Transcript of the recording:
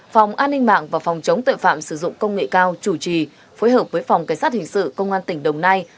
phòng an ninh mạng và phòng chống tội phạm sử dụng công nghệ cao chủ trì phối hợp với phòng cảnh sát hình sự công an tỉnh đồng nai